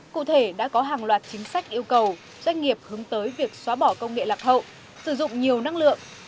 cụ thể đã có hàng loạt chính sách yêu cầu doanh nghiệp hướng tới việc xóa bỏ công nghệ lạc hậu sử dụng nhiều năng lượng